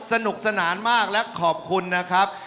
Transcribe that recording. สนุกสนานมากและขอบคุณนะครับ